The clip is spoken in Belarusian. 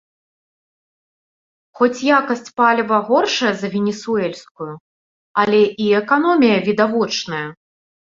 Хоць якасць паліва горшая за венесуэльскую, але і эканомія відавочная.